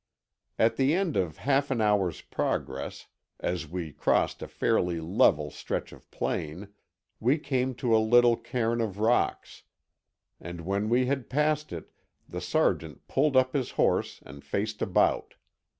At the end of half an hour's progress, as we crossed a fairly level stretch of plain, we came to a little cairn of rocks; and when we had passed it the sergeant pulled up his horse and faced about.